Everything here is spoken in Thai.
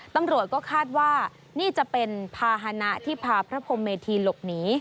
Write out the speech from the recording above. ตำรวจก็คาดว่านี่จะเป็นภาษณะที่พาพระพรมเมธีหลบหนี